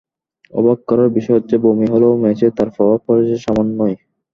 অবাক করার বিষয় হচ্ছে, বমি হলেও ম্যাচে তার প্রভাব পড়েছে সামান্যই।